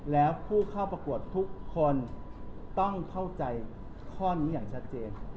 แล้วผู้เข้าประกวดทุกคนต้องเข้าใจข้อนี้อย่างชัดเจน